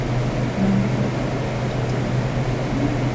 naho ubundi tuza kugira ibyago